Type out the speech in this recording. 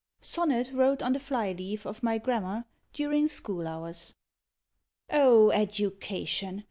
SONNET WROTE ON THE FLY LEAF OF MY GRAMMAR DURIN SCHOOL HOURS EDUCATION!